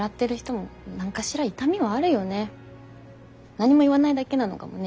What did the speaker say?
何も言わないだけなのかもね